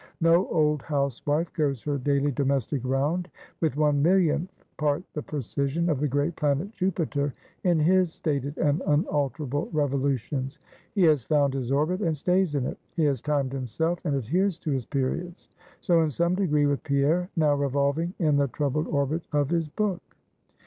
No old housewife goes her daily domestic round with one millionth part the precision of the great planet Jupiter in his stated and unalterable revolutions. He has found his orbit, and stays in it; he has timed himself, and adheres to his periods. So, in some degree with Pierre, now revolving in the troubled orbit of his book.